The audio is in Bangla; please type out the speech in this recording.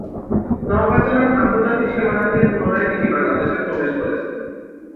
নওগাঁ জেলার আন্তর্জাতিক সীমানা দিয়ে পুনরায় এটি বাংলাদেশে প্রবেশ করেছে।